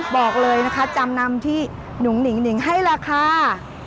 บอกเลยนะคะจำนำที่หนุ่งหนิ่งให้ราคา